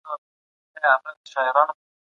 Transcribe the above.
نبوي حکم د ذمي په حق کي صادر سو.